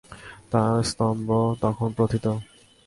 তার স্তম্ভ তখন প্রোথিত।